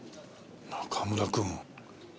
中村くん。